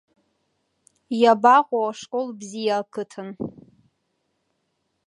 Иабаҟоу ашкол бзиа ақыҭан.